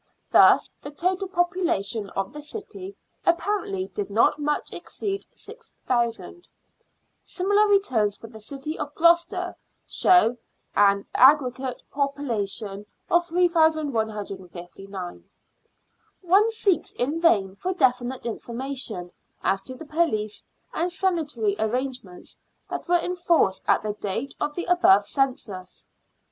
Thus the total population of the city appar ently did not much exceed 6,000. Similar returns for the city of Gloucester show an aggregate population of 3,159. One seeks in vain for definite information as to the police and sanitary arrangements that were in force at the date of the above census.